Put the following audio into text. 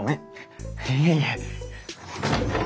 いえいえ。